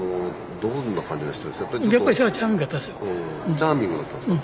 チャーミングだったんですか。